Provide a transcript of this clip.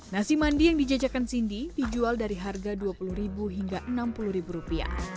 nasi mandi yang dijajakan cindy dijual dari harga rp dua puluh hingga rp enam puluh